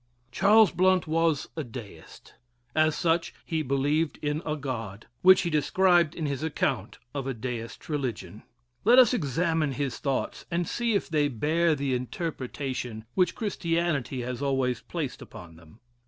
Charles Blount was a Deist; as such, he believed in a God; which he described in his account of a Deist's religion. Let us examine his thoughts, and see if they bear the interpretation which Christianity has always placed upon them.